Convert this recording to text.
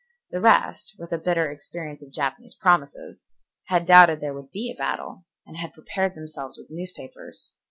The rest, with a bitter experience of Japanese promises, had doubted there would be a battle, and had prepared themselves with newspapers.